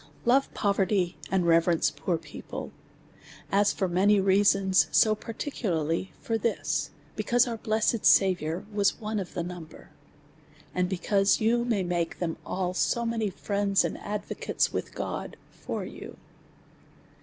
Love poverty, anf! reverence poor people ; as for many reasons, so particularly for this, because our s 4 264 A SERIOUS CALL TO A blessfed Saviour was one of the number^ and because you may make them all so many friends and advocates with God for you.